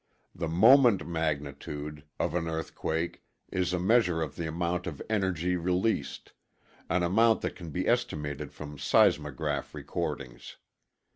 The moment magnitude of an earthquake is a measure of the amount of energy releasedŌĆöan amount that can be estimated from seismograph recordings.